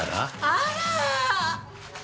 あら！